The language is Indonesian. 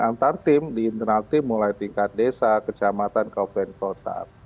antar tim di internal tim mulai tingkat desa kecamatan kabupaten kota